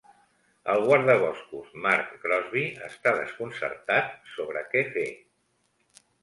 El guardaboscos, Mark Crosby, està desconcertat sobre què fer.